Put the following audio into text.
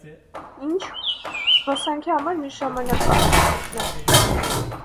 - Ի՛նչ, զբոսանքի համար միշտ ժամանակ կարող եք գտնել: